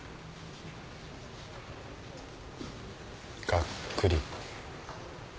がっくり。